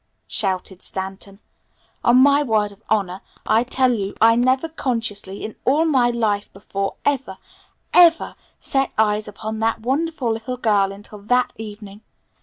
shouted Stanton. "On my word of honor, I tell you I never consciously, in all my life before, ever ever set eyes upon that wonderful little girl, until that evening!